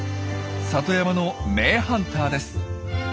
里山の名ハンターです。